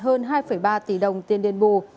hơn hai ba tỷ đồng tiền đền bù